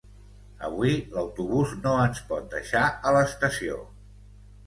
Avui l'autobús no ens pot deixar a l'estació